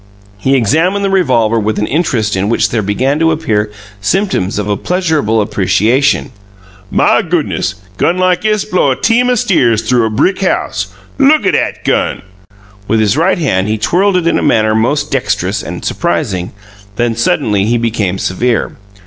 He examined the revolver with an interest in which there began to appear symptoms of a pleasurable appreciation. "My goo'ness! Gun like'iss blow a team o' steers thew a brick house! LOOK at 'at gun!" With his right hand he twirled it in a manner most dexterous and surprising; then suddenly he became severe.